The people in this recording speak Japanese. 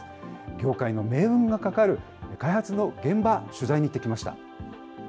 業界の命運がかかる開発の現場、取材に行ってきました。